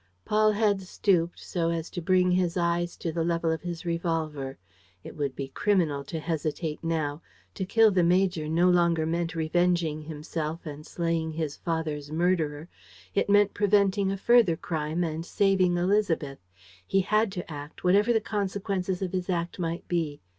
Paul had stooped, so as to bring his eyes to the level of his revolver. It would be criminal to hesitate now. To kill the major no longer meant revenging himself and slaying his father's murderer: it meant preventing a further crime and saving Élisabeth. He had to act, whatever the consequences of his act might be.